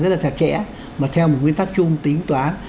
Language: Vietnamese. rất là chặt chẽ mà theo một nguyên tắc chung tính toán